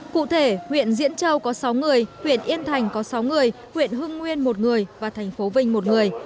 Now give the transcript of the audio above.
cụ thể huyện diễn châu có sáu người huyện yên thành có sáu người huyện hưng nguyên một người và thành phố vinh một người